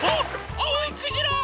あおいクジラ！